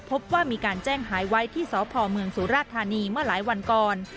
พบว่ามีการแจ้งหายไว้ที่สพเมืองสุราธานีเมื่อหลายวันก่อน